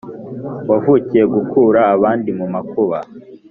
wavukiye gukura abandi mu makuba